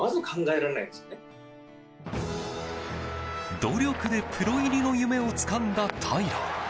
努力でプロ入りの夢をつかんだ平良。